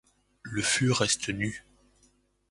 Le fût reste nu.